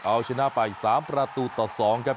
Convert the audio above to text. เอาชนะไปสามประตูตัดสองครับ